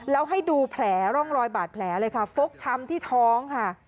แล้วให้ดูแผลร่องรอยบาดแผลเลยค่ะฟกช้ำที่ท้องค่ะ